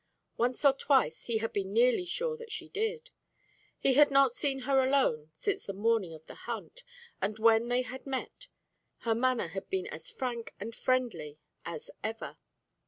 Once or twice he had been nearly sure that she did. He had not seen her alone since the morning of the hunt, and, when they had met, her manner had been as frank and friendly as ever.